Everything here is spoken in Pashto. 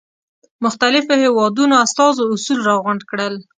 مختلفو هېوادونو استازو اصول را غونډ کړل.